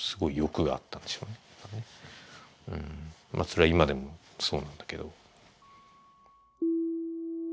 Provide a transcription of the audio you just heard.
それは今でもそうなんだけど。